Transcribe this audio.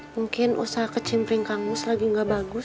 mungkin usaha ke cimpring kangmus lagi gak bagus